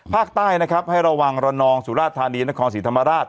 ภาคใต้นะครับให้ระวังระนองสุราธานีนครศรีธรรมราช